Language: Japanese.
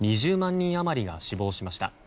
人余りが死亡しました。